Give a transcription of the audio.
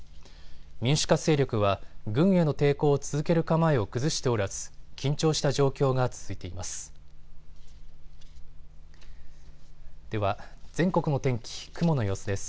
民主化勢力は軍への抵抗を続ける構えを崩しておらず緊張した状況が続いています。